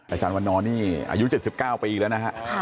อาจารย์วันนอนนี่อายุ๗๙ปีแล้วนะฮะ